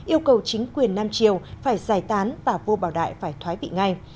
yêu cầu chính quyền nam triều phải giải tán và vua bảo đại phải thoái vị ngay